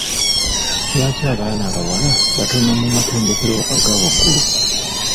Lwaki abaana abawala batono mu matendekero aga waggulu?